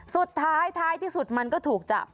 สุดท้ายท้ายที่สุดมันก็ถูกจับ